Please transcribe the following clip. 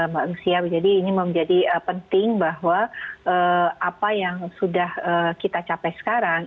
mbak lucia jadi ini menjadi penting bahwa apa yang sudah kita capai sekarang